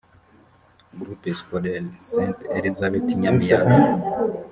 groupe scolaire st elisabeth nyamiyaga